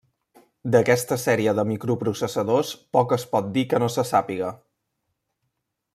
D'aquesta sèrie de microprocessadors poc es pot dir que no se sàpiga.